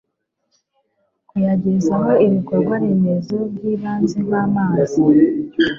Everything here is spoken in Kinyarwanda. kuyagezaho ibikorwa remezo by'ibanze nk'amazi